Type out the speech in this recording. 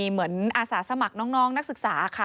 เหมือนอาสาสมัครน้องนักศึกษาค่ะ